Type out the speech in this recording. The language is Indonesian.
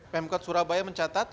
pemkot surabaya mencatat